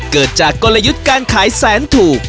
เกิดจากกลยุทธ์การขายแสนถูก